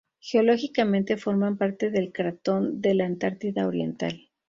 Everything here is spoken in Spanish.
Geológicamente forman parte del Cratón de la Antártida Oriental.